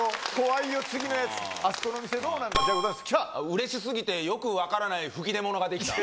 うれしすぎてよく分からない吹き出物が出来た。